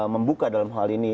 membuka dalam hal ini